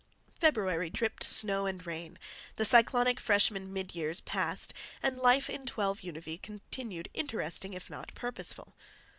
February dripped snow and rain, the cyclonic freshman mid years passed, and life in 12 Univee continued interesting if not purposeful.